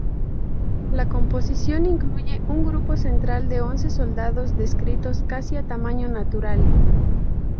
La composición incluye un grupo central de once soldados descritos casi a tamaño natural.